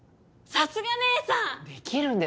さすが姐さん！